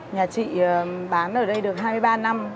nhà chị bán ở đây được hai mươi ba năm